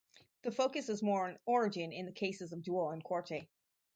The focus is more on origin in the cases of Duo and Quatre.